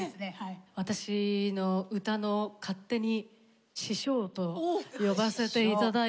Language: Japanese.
私の歌の勝手に師匠と呼ばせて頂いていて。